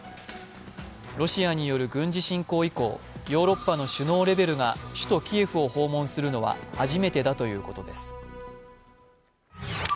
ロシアによる軍事侵攻以降ヨーロッパの首脳レベルが首都キエフを訪問するのは初めてだということです。